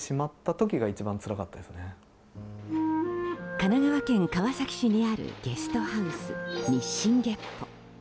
神奈川県川崎市にあるゲストハウス、日進月歩。